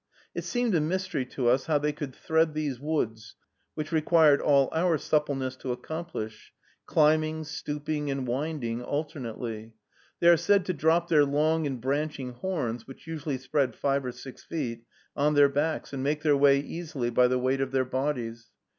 It seemed a mystery to us how they could thread these woods, which it required all our suppleness to accomplish, climbing, stooping, and winding, alternately. They are said to drop their long and branching horns, which usually spread five or six feet, on their backs, and make their way easily by the weight of their bodies.